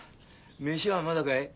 飯はまだかい？